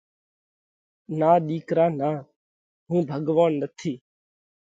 نان ۮِيڪرا نان، هُون ڀڳوونَ نٿِي۔